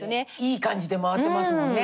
いい感じで回ってますもんね。